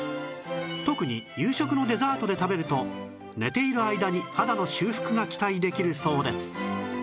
特に夕食のデザートで食べると寝ている間に肌の修復が期待できるそうです